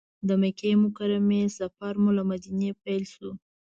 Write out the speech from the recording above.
د مکې مکرمې سفر مو له مدینې پیل شو.